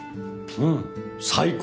うん！最高！